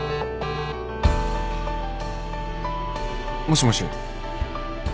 もしもし。